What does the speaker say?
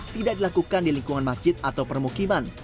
tidak dilakukan di lingkungan masjid atau permukiman